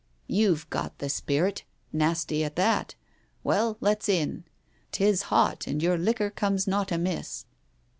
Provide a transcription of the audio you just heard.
"You've got a spirit — nasty at that. Well, let's in. 'Tis hot, and your liquor comes not amiss."